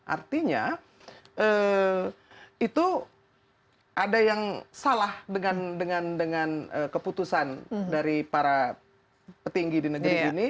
artinya itu ada yang salah dengan keputusan dari para petinggi di negeri ini